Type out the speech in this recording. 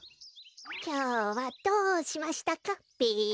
きょうはどうしましたかべ。